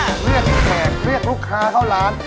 เรียกแขกเรียกลูกค้าเข้าร้าน